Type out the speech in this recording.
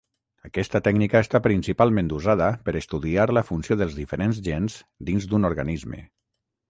Aquesta tècnica està principalment usada per estudiar la funció dels diferents gens dins d'un organisme.